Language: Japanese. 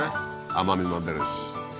甘みも出るし